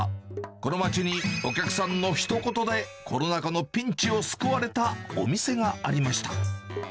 この街にお客さんのひと言でコロナ禍のピンチを救われたお店がありました。